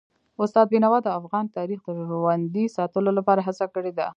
استاد بینوا د افغان تاریخ د ژوندي ساتلو لپاره هڅه کړي ده.